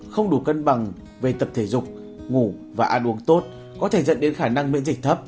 không đủ cân bằng về tập thể dục ngủ và ăn uống tốt có thể dẫn đến khả năng miễn dịch thấp